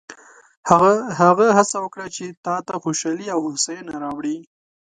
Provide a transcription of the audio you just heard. هغه هڅه وکړه چې تا ته خوشحالي او هوساینه راوړي.